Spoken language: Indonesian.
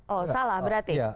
oh salah berarti